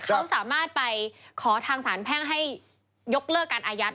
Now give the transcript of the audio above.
เขาสามารถไปขอทางสารแพ่งให้ยกเลิกการอายัด